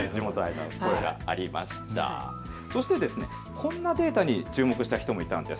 こんなデータに注目した人もいたんです。